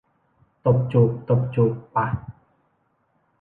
ตบจูบ ตบจูบ ปะ